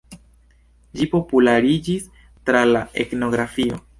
Ĝi populariĝis tra la etnografio.